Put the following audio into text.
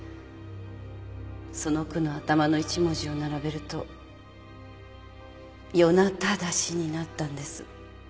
その句の頭の１文字を並べると「よなただし」になったんです。